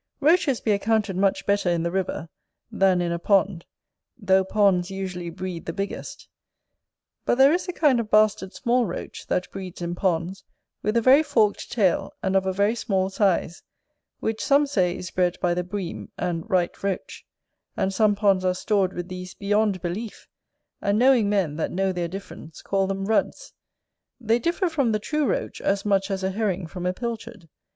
Roaches be accounted much better in the river than in a pond, though ponds usually breed the biggest. But there is a kind of bastard small Roach, that breeds in ponds, with a very forked tail, and of a very small size; which some say is bred by the Bream and right Roach; and some ponds are stored with these beyond belief; and knowing men, that know their difference, call them Ruds: they differ from the true Roach, as much as a Herring from a Pilchard.